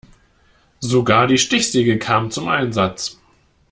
Sogar die Stichsäge kam zum Einsatz.